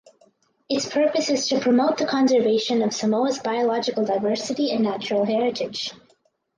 Its purpose is to promote the conservation of Samoa’s biological diversity and natural heritage.